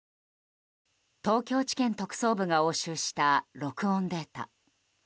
東京地検特捜部が押収した録音データ。